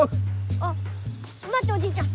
あっまっておじいちゃん！